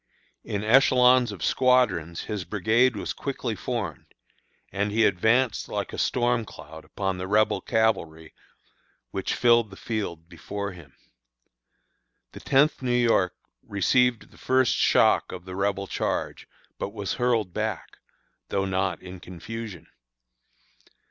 In echelons of squadrons his brigade was quickly formed, and he advanced like a storm cloud upon the Rebel cavalry which filled the field before him. The Tenth New York received the first shock of the Rebel charge, but was hurled back, though not in confusion.